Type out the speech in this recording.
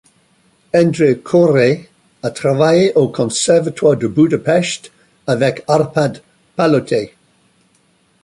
Endre Koréh a travaillé au conservatoire de Budapest avec Arpad Palotay.